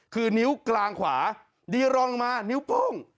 คือนิ้วกลางขวาดีรองลงมานิ้วโป้ง